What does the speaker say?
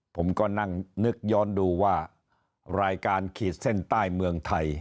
ผมก็นั่งนึกย้อนดูว่ารายการขีดเส้นใต้เมืองไทย